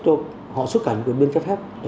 cho họ xuất cảnh của bnff